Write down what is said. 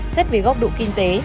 xét về góc độ kinh tế